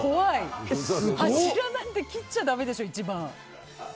柱なんて切っちゃだめでしょ一番。